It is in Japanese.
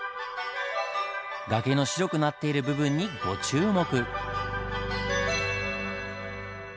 崖の白くなっている部分にご注目。